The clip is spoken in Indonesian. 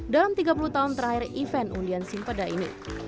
dalam tiga puluh tahun terakhir event undian simpeda ini